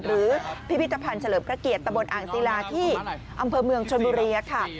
พิพิธภัณฑ์เฉลิมพระเกียรติตะบนอ่างศิลาที่อำเภอเมืองชนบุรีค่ะ